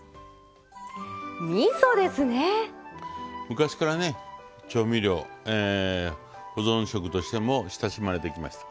昔からね調味料保存食としても親しまれてきました。